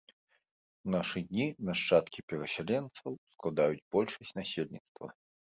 У нашы дні нашчадкі перасяленцаў складаюць большасць насельніцтва.